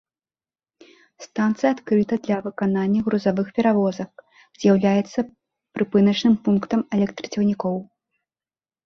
Станцыя адкрыта для выканання грузавых перавозак, з'яўляецца прыпыначным пунктам электрацягнікоў.